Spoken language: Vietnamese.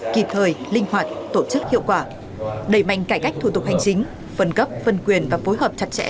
kịp thời linh hoạt tổ chức hiệu quả đẩy mạnh cải cách thủ tục hành chính phân cấp phân quyền và phối hợp chặt chẽ